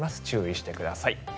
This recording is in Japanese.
注意してください。